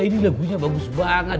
ini lagunya bagus banget